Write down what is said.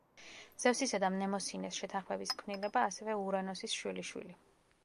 ზევსისა და მნემოსინეს შეთანხმების ქმნილება, ასევე ურანოსის შვილიშვილი.